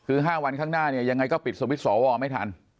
คือ๕วันข้างหน้าเนี่ยยังไงก็ปิดสวิตช์สวไม่ทัน